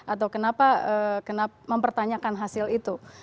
atau mempertanyakan hasil itu